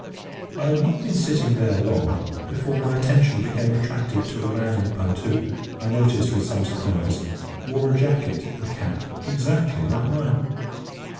I had not been sitting there long before my attention became attracted to a man in a punt who, I noticed with some surprise, wore a jacket and cap exactly like mine.